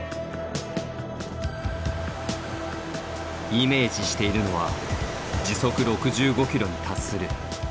イメージしているのは時速６５キロに達するシャチ。